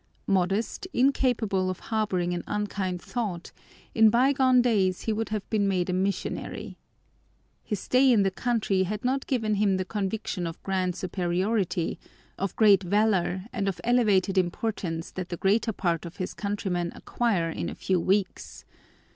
Modest, incapable of harboring an unkind thought, in bygone days he would have been made a missionary. His stay in the country had not given him the conviction of grand superiority, of great valor, and of elevated importance that the greater part of his countrymen acquire in a few weeks.